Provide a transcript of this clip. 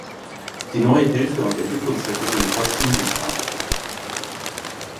Die neue Hilfe und Entwicklungshilfe sind fast unsichtbar.